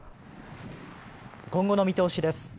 今後の見通しです。